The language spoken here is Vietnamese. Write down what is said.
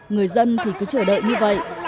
người dân thì cứ chờ đợi như vậy